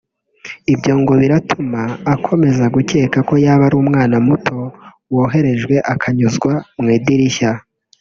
Ibyo ngo biratuma akomeza gukeka ko yaba ari umwana muto woherejwe akanyuzwa mu idirishya